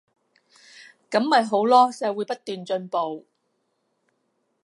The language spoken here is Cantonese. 噉咪好囉，社會不斷進步